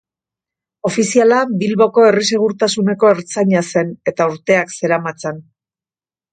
Ofiziala Bilboko herri-segurtasuneko ertzaina zen, eta urteak zeramatzan.